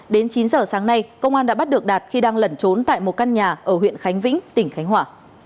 đến chín giờ sáng nay công an đã bắt được đạt khi đang lẩn trốn tại một căn nhà ở huyện khánh vĩnh tỉnh khánh hòa